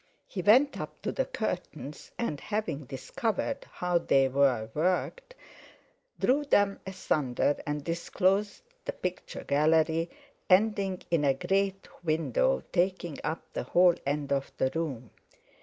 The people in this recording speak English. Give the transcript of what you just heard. He went up to the curtains, and, having discovered how they were worked, drew them asunder and disclosed the picture gallery, ending in a great window taking up the whole end of the room.